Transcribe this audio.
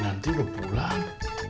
oke nanti udah pulang